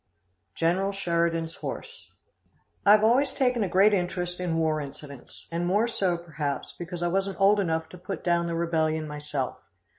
General Sheridan's Horse. I have always taken a great interest in war incidents, and more so, perhaps, because I wasn't old enough to put down the rebellion myself.